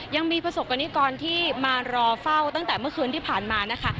ยังมีประสบกรณิกรที่มารอเฝ้าตั้งแต่เมื่อคืนที่ผ่านมานะคะ